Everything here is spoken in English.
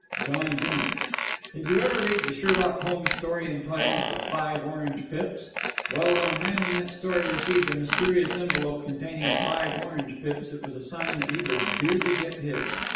John beamed. "Did you ever read the Sherlock Holmes story entitled 'The Five Orange Pips'? Well, when a man in that story received a mysterious envelope containing five orange pips, it was a sign that he was due to get his.